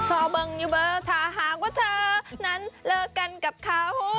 อเบิ่งอยู่เบอร์ถ้าหากว่าเธอนั้นเลิกกันกับเขา